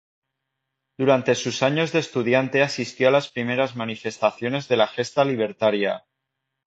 Durante sus años de estudiante asistió a las primeras manifestaciones de la gesta libertaria.